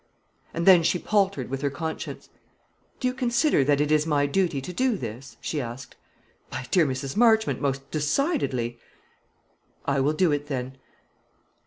And then she paltered with her conscience. "Do you consider that it is my duty to do this?" she asked. "My dear Mrs. Marchmont, most decidedly." "I will do it, then.